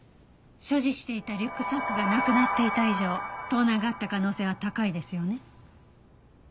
所持していたリュックサックがなくなっていた以上盗難があった可能性は高いですよね？